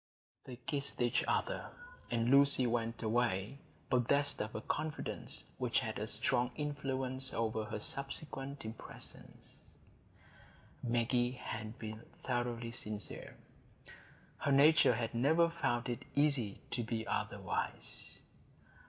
They kissed each other, and Lucy went away, possessed of a confidence which had a strong influence over her subsequent impressions. Maggie had been thoroughly sincere; her nature had never found it easy to be otherwise.